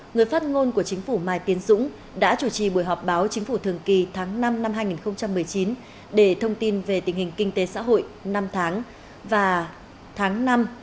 người phát ngôn của chính phủ mai tiến dũng đã chủ trì buổi họp báo chính phủ thường kỳ tháng năm năm hai nghìn một mươi chín để thông tin về tình hình kinh tế xã hội năm tháng và tháng năm